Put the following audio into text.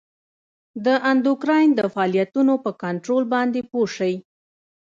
د اندوکراین د فعالیتونو په کنترول باندې پوه شئ.